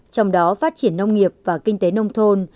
trong đó phát triển nông nghiệp và kinh tế nông thôn